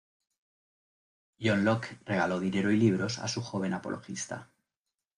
John Locke regaló dinero y libros a su joven apologista.